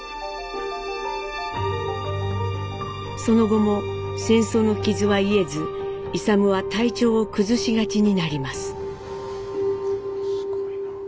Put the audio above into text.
その後も戦争の傷は癒えず勇は体調を崩しがちになります。